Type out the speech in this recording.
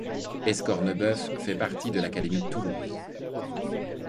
Escornebœuf fait partie de l'académie de Toulouse.